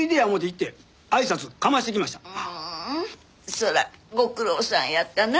そらご苦労さんやったな。